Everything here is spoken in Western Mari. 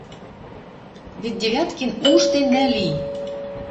Вет Девяткин ужде нӹл и